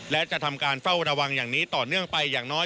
และจะทำการเฝ้าระวังอย่างนี้ต่อเนื่องไปอย่างน้อย